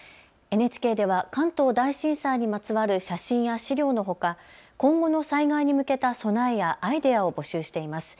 ＮＨＫでは関東大震災にまつわる写真や資料のほか、今後の災害に向けた備えやアイデアを募集しています。